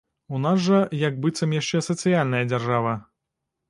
У нас жа як быццам яшчэ сацыяльная дзяржава.